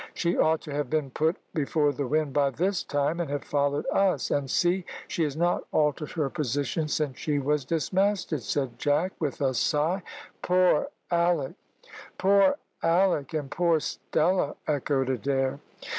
"She ought to have been put before the wind by this time, and have followed us; and see, she has not altered her position since she was dismasted," said Jack, with a sigh. "Poor Alick!" "Poor Alick! and poor Stella," echoed Adair.